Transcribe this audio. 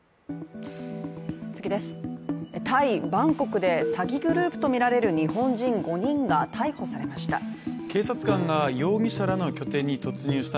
タイ・バンコクで詐欺グループとみられる日本人５人が逮捕されました。